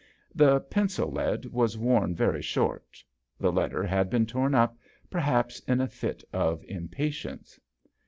The pencil lead was worn very short. The letter had been torn up, perhaps, in a fit of im patience.